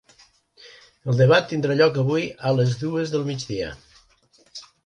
El debat tindrà lloc avui a les dues de la tarda.